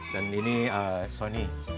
dan ini sony